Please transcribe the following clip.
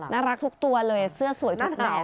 น่ารักทุกตัวเลยเสื้อสวยทุกแขน